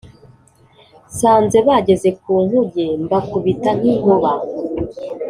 Nsanze bageze ku nkuge mbakubita nk'inkuba